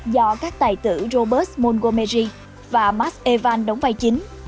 do các tài tử robert montgomery và max evans đóng vai chính